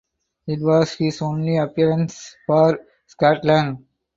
It was his only appearance for Scotland.